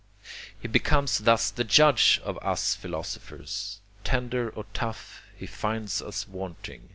He becomes thus the judge of us philosophers. Tender or tough, he finds us wanting.